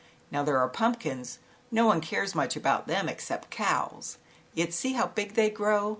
Now, there are pumpkins, no one cares much about them, except cows, yet see how big they grow.